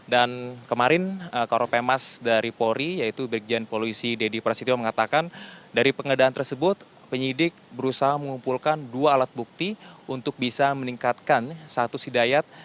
dan kemarin karopemas dari polri yaitu begian polisi dedy prasetyo mengatakan dari pengedahan tersebut penyidik berusaha mengumpulkan dua alat bukti untuk bisa meningkatkan status hidayat